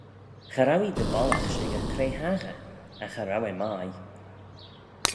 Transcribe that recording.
Cha row ee dy bollagh shickyr cre haghyr, agh cha row eh mie.